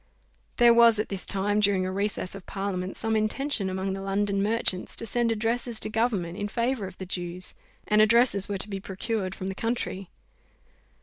There was at this time, during a recess of parliament, some intention among the London merchants to send addresses to government in favour of the Jews; and addresses were to be procured from the country.